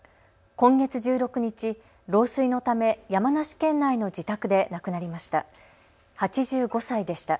今月１６日老衰のため山梨県内の自宅で亡くなりました。